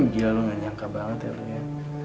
gila lu gak nyangka banget ya lu ya